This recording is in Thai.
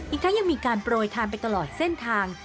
อีกทั้งยังมีการโปรยทานไปตลอดเส้นทาง